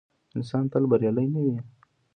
انسان تل بریالی نه وي.